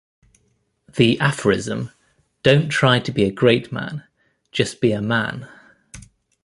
The aphorism Don't try to be a great man, just be a man.